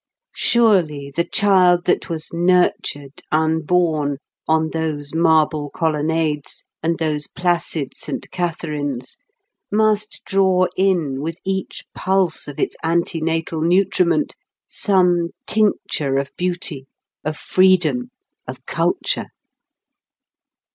Surely the child that was nurtured, unborn, on those marble colonnades and those placid Saint Catherines must draw in with each pulse of its antenatal nutriment some tincture of beauty, of freedom, of culture!